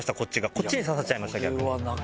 こっちに刺さっちゃいました逆に。